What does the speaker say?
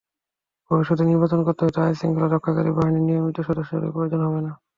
ভবিষ্যতে নির্বাচন করতে হয়তো আইনশৃঙ্খলা রক্ষাকারী বাহিনীর নিয়মিত সদস্যদেরই প্রয়োজন হবে না।